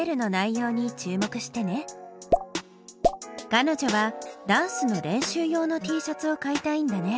かのじょはダンスの練習用のＴシャツを買いたいんだね。